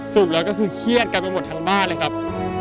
สรุปแล้วก็คือเครียดกันไปหมดทั้งบ้านเลยครับ